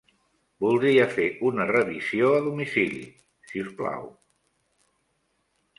Voldria fer una revisió a domicili, si us plau.